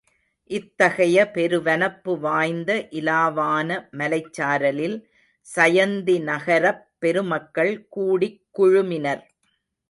இத்தகைய பெரு வனப்பு வாய்ந்த இலாவான மலைச் சாரலில் சயந்திநகரப் பெருமக்கள் கூடிக் குழுமினர்.